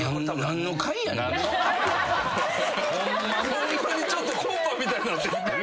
ホンマにちょっとコンパみたいになってきてる。